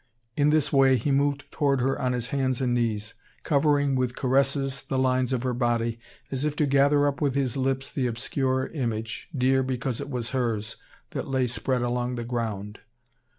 In this way, he moved toward her on his hands and knees, covering with caresses the lines of her body, as if to gather up with his lips the obscure image, dear because it was hers, that lay spread along the ground.